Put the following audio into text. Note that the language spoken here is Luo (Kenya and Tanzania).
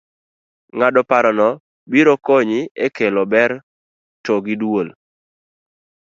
ng'ado parono biro konyi e kelo ber to gi duol